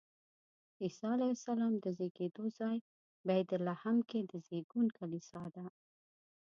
د عیسی علیه السلام د زېږېدو ځای بیت لحم کې د زېږون کلیسا ده.